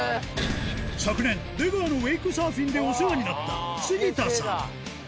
昨年、出川のウエイクサーフィンでお世話になった杉田さん。